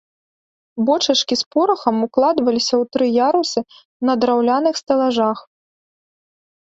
Бочачкі з порахам укладваліся ў тры ярусы на драўляных стэлажах.